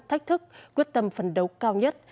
thách thức quyết tâm phần đấu cao nhất